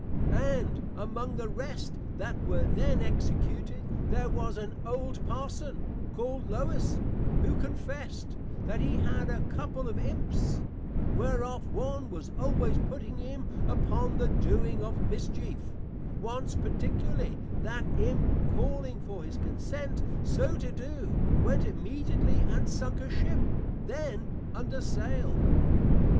And, among the rest that were then Executed, there was an Old Parson, called Lowis, who confessed, That he had a couple of Imps, whereof one was always putting him upon the doing of Mischief; Once particularly, that Imp calling for his Consent so to do, went immediately and Sunk a Ship, then under Sail.